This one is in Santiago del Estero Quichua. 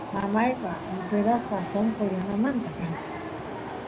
mamayqa operasqa sonqo yanamanta kan